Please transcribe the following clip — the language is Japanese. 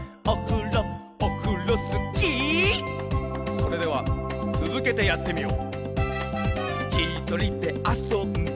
それではつづけてやってみよう！